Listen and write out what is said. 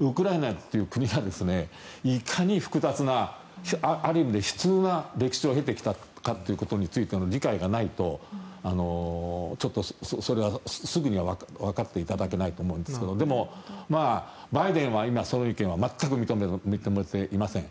ウクライナという国はいかに複雑なある意味で悲痛な歴史を経てきたかということについての理解がないとちょっとそれはすぐにはわかっていただけないと思うんですがでも、バイデンは今その意見は全く認めていません。